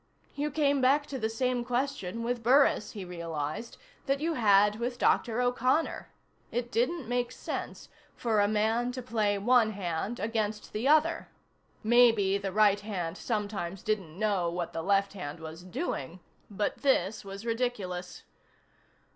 You came back to the same question with Burris, he realized, that you had with Dr. O'Connor: it didn't make sense for a man to play one hand against the other. Maybe the right hand sometimes didn't know what the left hand was doing, but this was ridiculous.